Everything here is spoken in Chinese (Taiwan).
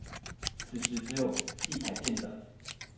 此時只有畢凱艦長